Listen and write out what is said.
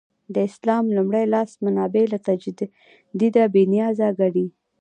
د اسلام لومړي لاس منابع له تجدیده بې نیازه ګڼي.